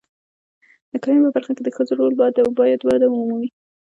د کرنې په برخه کې د ښځو رول باید وده ومومي.